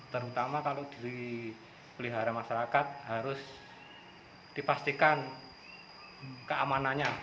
terutama kalau di pelihara masyarakat harus dipastikan keamanannya